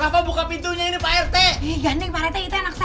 waduh ada bayi daripada gua ketangkep